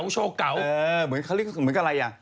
โชคเกา